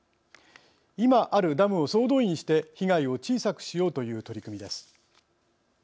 今あるダムを総動員して被害を小さくしようという取り組みです。